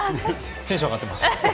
テンション上がっています。